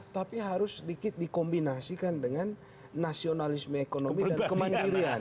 tapi harus sedikit dikombinasikan dengan nasionalisme ekonomi dan kemandirian